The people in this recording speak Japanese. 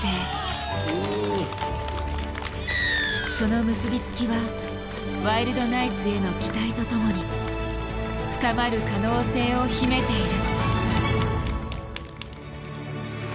その結び付きはワイルドナイツへの期待とともに深まる可能性を秘めている。